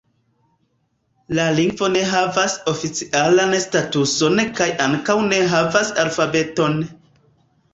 La lingvo ne havas oficialan statuson kaj ankaŭ ne havas alfabeton.